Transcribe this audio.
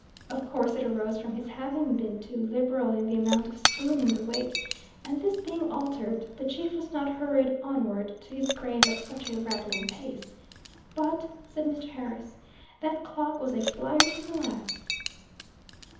Of course it arose from his having been too liberal in the amount of spoon in the weight, and this being altered, the chief was not hurried onward to his grave at such a rattling pace; "but," said Mr. Harris, "that clock was a flyer to the last."